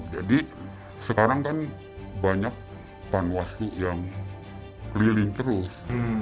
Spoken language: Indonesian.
jadi sekarang kan banyak panwasu yang keliling terus